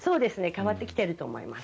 変わってきていると思います。